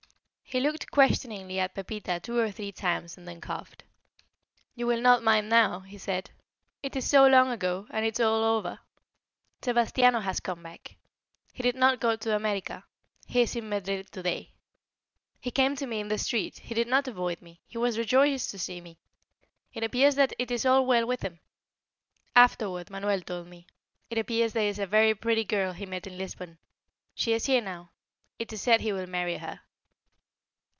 He looked questioningly at Pepita two or three times and then coughed. "You will not mind now," he said. "It is so long ago, and it is all over. Sebastiano has come back. He did not go to America; he is in Madrid to day. He came to me in the street; he did not avoid me; he was rejoiced to see me. It appears that it is all well with him. Afterward Manuel told me. It appears there is a very pretty girl he met in Lisbon she is here now. It is said he will marry her."